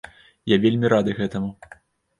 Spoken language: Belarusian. Я вельмі рады гэтаму.